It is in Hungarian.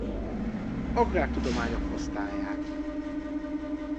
Agrártudományok Osztályát.